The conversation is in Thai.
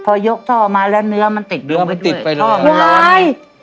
พอยกท่อมาแล้วเนื้อมันติดลงไปด้วยเนื้อมันติดไปเลยอ๋อว้าย